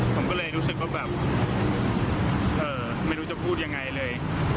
ผมก็เลยรู้สึกว่าแบบไม่รู้จะพูดยังไงเลย